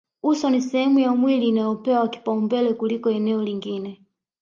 Uso ni sehemu ya mwili inayopewa kipaumbele kuliko eneo lingine